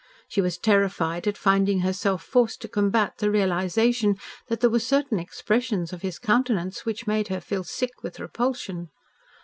She was terrified at finding herself forced to combat the realisation that there were certain expressions of his countenance which made her feel sick with repulsion.